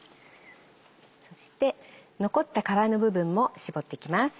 そして残った皮の部分も搾っていきます。